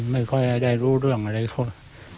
ไม่ค่อยได้รู้เรื่องอะไรเขา